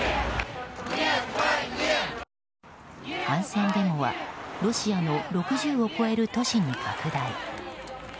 反戦デモはロシアの６０を超える都市に拡大。